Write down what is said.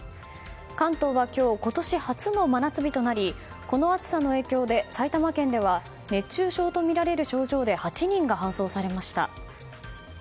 関東は今日今年初の真夏日となりこの暑さの影響で埼玉県では熱中症とみられる症状で８人が搬送されました。